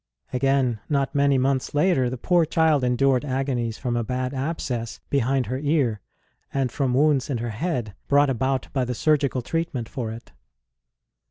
Again, not many months later, the poor child endured agonies from a bad abscess behind her ear, and from wounds in her head brought about by the surgical treatment for it.